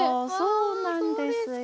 そうなんですよ。